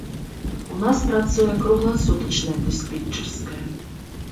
У нас працуе кругласутачная дыспетчарская.